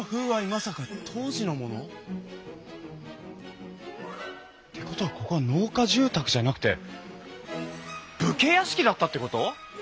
まさか当時のもの？ってことはここは農家住宅じゃなくて武家屋敷だったってこと！？